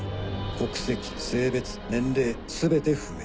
国籍性別年齢全て不明。